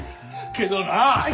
けどなあ！